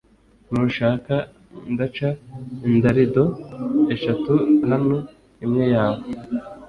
nushaka ndaca ingarido eshatu hano, imwe yawe,